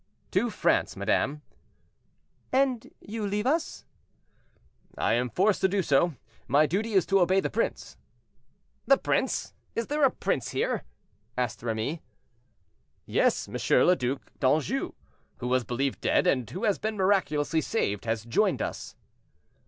"To France, madame." "And you leave us?" "I am forced to do so; my duty is to obey the prince." "The prince; is there a prince here?" asked Remy. "Yes, M. le Duc d'Anjou, who was believed dead, and who has been miraculously saved, has joined us."